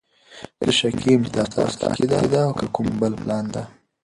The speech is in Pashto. زه شکي یم چې دا پروسه حقیقی ده او که کوم بل پلان ده!